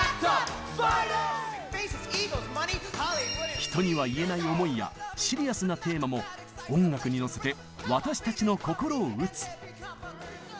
人には言えない思いやシリアスなテーマも音楽にのせて私たちの心を打つ。